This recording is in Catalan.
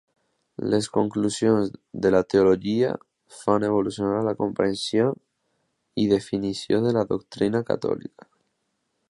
Les conclusions de la teologia fan evolucionar la comprensió i definició de la doctrina catòlica.